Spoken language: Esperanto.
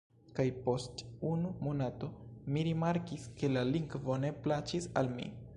Kaj post unu monato, mi rimarkis, ke la lingvo ne plaĉis al mi.